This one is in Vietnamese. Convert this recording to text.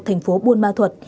thành phố bắc